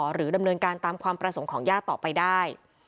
หรือดำเนินการตามความประสงค์ของญาติต่อไปได้